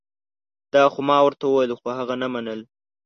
دا خو ما ورته وویل خو هغه نه منل